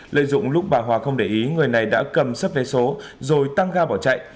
lợi dụng lúc bà hòa không để ý người này đã cầm sắp vé số rồi tăng ga bỏ chạy